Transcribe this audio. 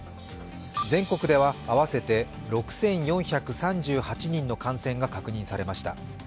全国では合わせて６４３８人の感染が確認されました。